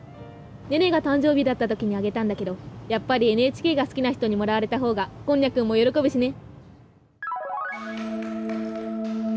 誕生日だった時にあげたんだけどやっぱり「ＮＨＫ」が好きな人にもらわれたほうがこんにゃくんも喜ぶしね。